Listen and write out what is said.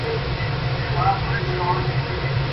له ښکاري کوترو چا وکړل سوالونه !.